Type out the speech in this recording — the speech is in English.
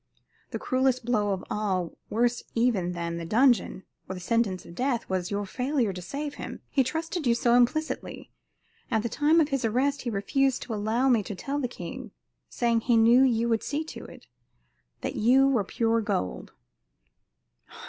"The cruelest blow of all, worse even than the dungeon, or the sentence of death, was your failure to save him. He trusted you so implicitly. At the time of his arrest he refused to allow me to tell the king, saying he knew you would see to it that you were pure gold."